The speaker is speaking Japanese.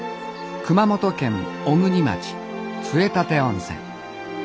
熊本県小国町杖立温泉。